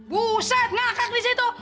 buset ngakak di situ